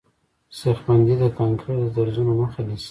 سیخ بندي د کانکریټو د درزونو مخه نیسي